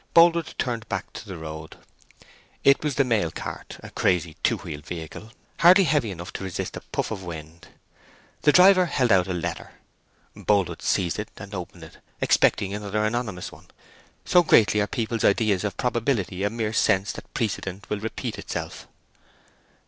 Boldwood turned back into the road. It was the mail cart—a crazy, two wheeled vehicle, hardly heavy enough to resist a puff of wind. The driver held out a letter. Boldwood seized it and opened it, expecting another anonymous one—so greatly are people's ideas of probability a mere sense that precedent will repeat itself.